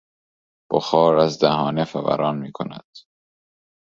بخار از دهانه فوران میکند.